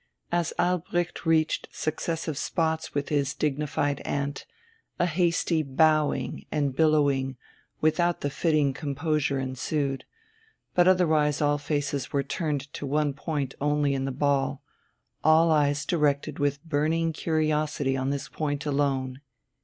As Albrecht reached successive spots with his dignified aunt, a hasty bowing and billowing without the fitting composure ensued, but otherwise all faces were turned to one point only in the ball, all eyes directed with burning curiosity on this point alone....